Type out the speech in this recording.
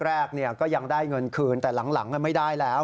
แรกก็ยังได้เงินคืนแต่หลังไม่ได้แล้ว